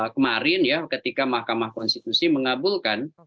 kemarin ya ketika mahkamah konstitusi mengabulkan